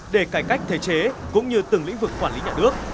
để cải cách thể chế cũng như từng lĩnh vực quản lý nhà nước